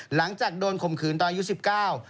หลังจากโดนข่มขืนตอนอายุ๑๙